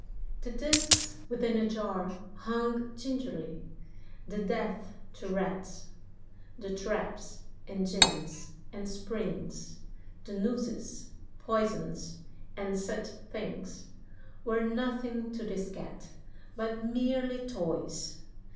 The disks within a jar hung gingerly, "The death to Rats:" the traps, and gins, and springs, The nooses, poisons, and such things, Were nothing to this Cat, but merely toys.